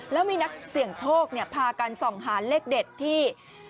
แล้วมีนักเสี่ยงโชคพากันส่องหาเลขเด็ดที่